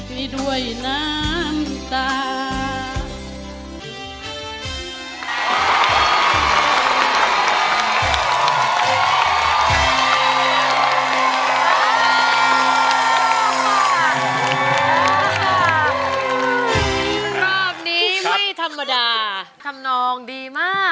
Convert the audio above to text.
นี่ด้วยน้ำตา